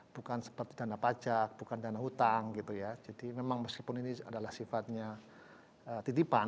bukan seperti dana pajak bukan dana hutang gitu ya jadi memang meskipun ini adalah sifatnya titipan